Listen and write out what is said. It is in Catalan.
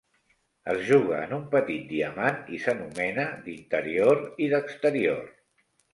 Es juga en un petit diamant i s'anomena d'interior i d'exterior.